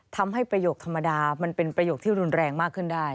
ประโยคธรรมดามันเป็นประโยคที่รุนแรงมากขึ้นได้